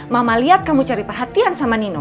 mama lihat kamu cari perhatian sama nino